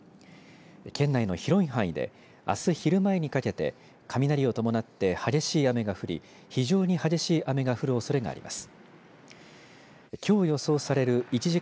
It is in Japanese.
県内の広い範囲であす昼前にかけて、雷を伴って激しい雨が降り非常に激しい雨が降るおそれがあります。